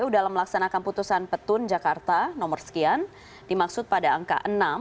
dan akan putusan petun jakarta nomor sekian dimaksud pada angka enam